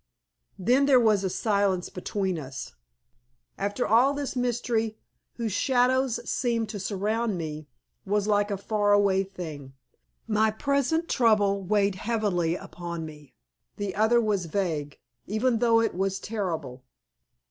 Then there was a silence between us. After all this mystery whose shadows seemed to surround me was like a far away thing. My present trouble weighed heaviest upon me. The other was vague, even though it was terrible.